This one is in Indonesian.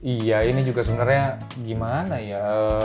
iya ini juga sebenarnya gimana ya